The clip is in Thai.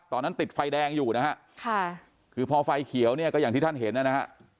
ติดไฟแดงอยู่นะฮะค่ะคือพอไฟเขียวเนี่ยก็อย่างที่ท่านเห็นนะฮะ